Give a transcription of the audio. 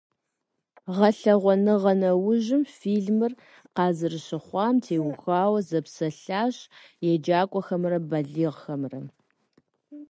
Гъэлъэгъуэныгъэ нэужьым фильмыр къазэрыщыхъуам теухуауэ зэпсэлъащ еджакӀуэхэмрэ балигъхэмрэ.